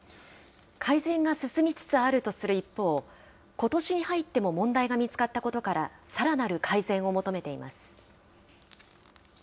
改善が進みつつあるとする一方、ことしに入っても問題が見つかったことから、さらなる改善を求めています。